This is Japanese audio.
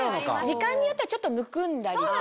時間によってはちょっとむくんだりとか。